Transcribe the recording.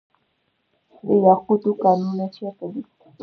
د یاقوتو کانونه چیرته دي؟